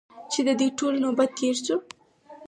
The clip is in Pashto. چې د دوی ټولو نوبت تېر شو.